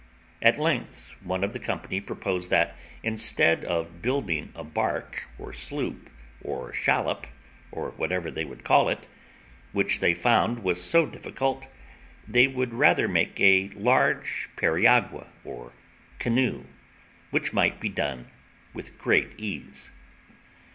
At length, one of the company proposed that, instead of building a bark or sloop, or shallop, or whatever they would call it, which they found was so difficult, they would rather make a large periagua, or canoe, which might be done with great ease.